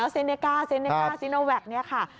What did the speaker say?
เซเนก้าเซเนก้าซีโนแวคเนี่ยค่ะ